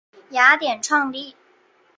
雅典创立。